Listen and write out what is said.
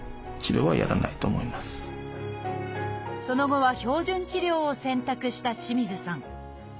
その後は標準治療を選択した清水さん。